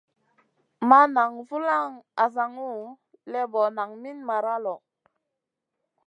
Ma nan vulaŋ asaŋu lébo naŋ min mara lo.